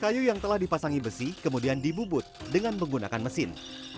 kayu yang telah dipasangi besi kemudian dibubut dengan menggunakan mesin